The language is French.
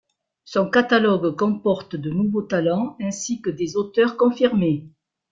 Son catalogue comporte de nouveaux talents ainsi que des auteurs confirmés.